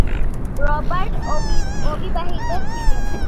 Robert অবিবাহিত ছিলেন।